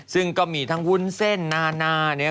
ซึ่งก็มีทั้งวุ้นเส้นนานาเนี่ย